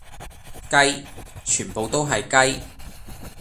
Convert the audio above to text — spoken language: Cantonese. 雞，全部都係雞